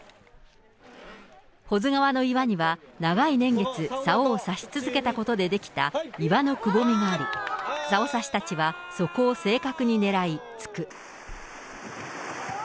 保津川の岩には長い年月、さおをさし続けたことで出来た岩のくぼみがあり、さおさしたちはそこを正確に狙い、突く。